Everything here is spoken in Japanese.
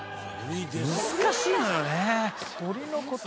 難しいのよね。